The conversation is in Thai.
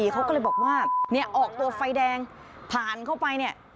เขาก็เลยบอกว่าออกตัวไฟแดงผ่านเข้าไป